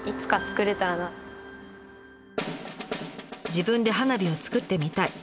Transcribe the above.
「自分で花火を作ってみたい」。